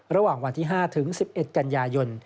ระหว่างวันที่๕ถึง๑๑กันยายน